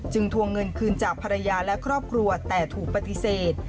ทวงเงินคืนจากภรรยาและครอบครัวแต่ถูกปฏิเสธ